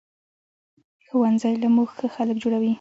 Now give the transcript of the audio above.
ښوونځی له مونږ ښه خلک جوړوي